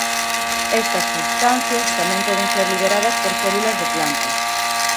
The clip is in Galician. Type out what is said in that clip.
Estas substancias tamén poden ser liberadas por células de plantas.